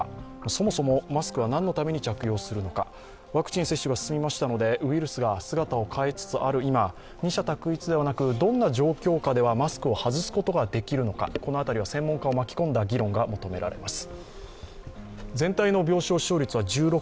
そもそもマスクはなんのために着用するのかワクチン接種が進みましたので、ウイルスが姿を変えつつある今、二者択一ではなくどんな状況下ではマスクを外すことができるのか、この辺りは専門家を巻き込んだ議論が求められます。